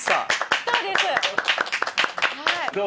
スターです。